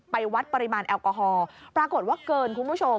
วัดปริมาณแอลกอฮอล์ปรากฏว่าเกินคุณผู้ชม